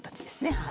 はい。